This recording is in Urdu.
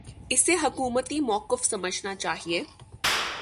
اسے حکومتی موقف سمجھنا چاہیے۔